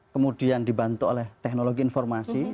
kemudian dibantu oleh teknologi informasi